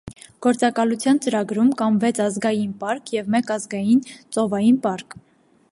Գործակալության ծրագրում կան վեց ազգային պարկ և մեկ ազգային ծովային պարկ։